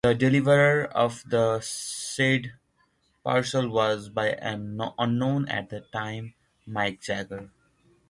The deliverer of said parcel was by an unknown at the time, Mick Jagger.